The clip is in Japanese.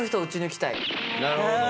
なるほど。